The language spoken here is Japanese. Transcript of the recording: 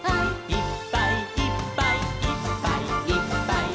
「いっぱいいっぱいいっぱいいっぱい」